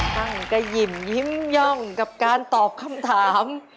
ตั้งกระหยิ่มยิ้มย่องกับการตอบคำถาม